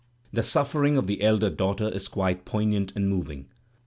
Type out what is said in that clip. The suffering of the elder daughter is quite poignant and moving.